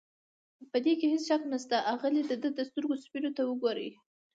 په دې کې هېڅ شک نشته، اغلې د ده د سترګو سپینو ته وګورئ.